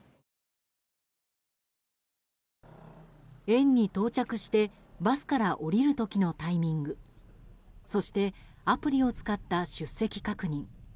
園に到着してバスから降りる時のタイミングそしてアプリを使った出席確認